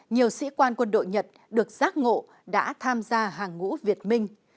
nhiều sĩ quan quân đội nhật được giác ngộ đã tham gia hàng ngũ việt minh